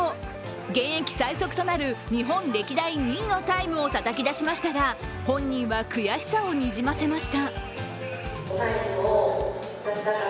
現役最速となる日本歴代２位のタイムをたたき出しましたが本人は悔しさをにじませました。